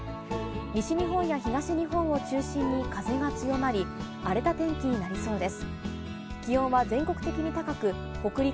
西日本や東日本を中心に風が強まり、荒れた天気になりそうです。